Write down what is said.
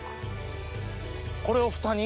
これをふたに？